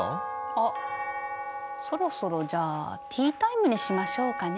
あそろそろじゃあティータイムにしましょうかね。